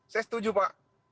saya setuju pak